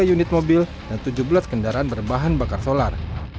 tiga unit mobil dan tujuh belas kendaraan berbahan bakar solar